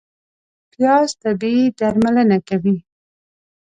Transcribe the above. پیاز طبیعي درملنه کوي